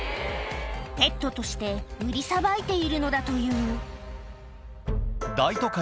ペットとして売りさばいているの大都会